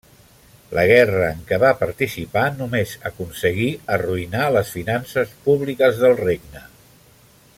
La guerra en què va participar només aconseguí arruïnar les finances públiques del regne.